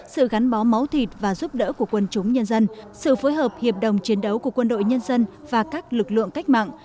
sự gắn bó máu thịt và giúp đỡ của quân chúng nhân dân sự phối hợp hiệp đồng chiến đấu của quân đội nhân dân và các lực lượng cách mạng